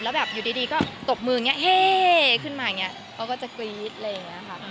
แล้วแบบอยู่ดีก็ตบมืออย่างนี้เฮ่ขึ้นมาอย่างนี้เขาก็จะกรี๊ดอะไรอย่างนี้ค่ะ